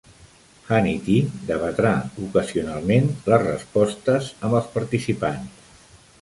Hannity debatrà ocasionalment les respostes amb els participants.